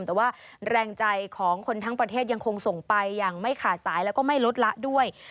แต่ว่าแรงใจของคนทั้งประเทศยังคงส่งไปอย่างไม่ขาดสายแล้วก็ไม่ลดละด้วย